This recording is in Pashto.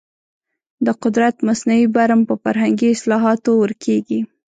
د قدرت مصنوعي برم په فرهنګي اصلاحاتو ورکېږي.